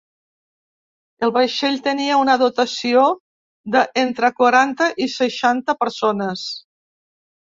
El vaixell tenia una dotació de entre quaranta i seixanta persones.